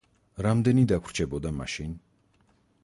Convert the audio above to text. რამდენი დაგვრჩებოდა მაშინ?